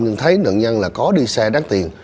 nhưng thấy nặng nhăn là có đi xe đắt tiền